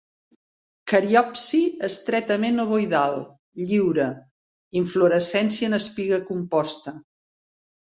Cariopsi estretament ovoidal, lliure. Inflorescència en espiga composta.